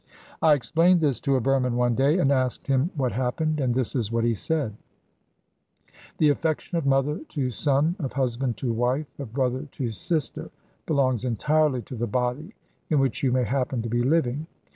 I explained this to a Burman one day, and asked him what happened, and this is what he said: 'The affection of mother to son, of husband to wife, of brother to sister, belongs entirely to the body in which you may happen to be living.